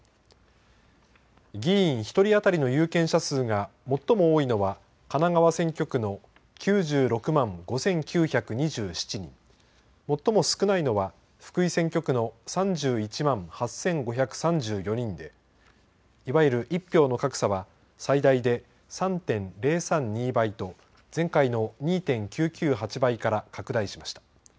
議員１人当たりの有権者数が最も多いのは神奈川選挙区の９６万５９２７人、最も少ないのは福井選挙区の３１万８５３４人でいわゆる１票の格差は最大で３．０３２倍と前回の２．９９８倍から拡大しました。